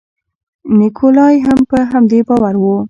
نیکولای هم په همدې باور و.